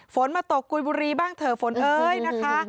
ฝนมาตกกุยบุรีบ้างเถอะฝนเอ้ยนะคะ